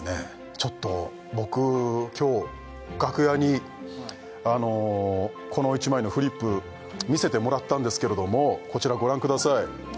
ちょっと僕今日楽屋にこの１枚のフリップ見せてもらったんですけれどもこちらご覧ください